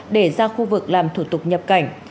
để ra khu vực làm thủ tục nhập cảnh